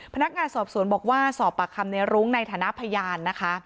พนักงานสอบสวนบอกว่าสอบปากคำในรุ้งในฐานะพยานนะคะ